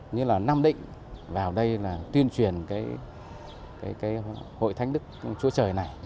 như là nam định vào đây tuyên truyền hội thánh đức chúa trời này